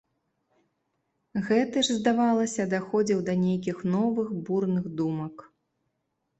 Гэты ж, здавалася, даходзіў да нейкіх новых бурных думак.